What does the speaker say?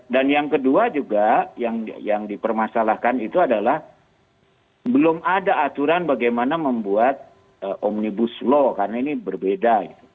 dan yang kedua juga yang dipermasalahkan itu adalah belum ada aturan bagaimana membuat omnibus law karena ini berbeda